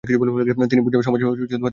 তিনি বুর্জোয়া সমাজের তীব্র সমালোচনা করেন।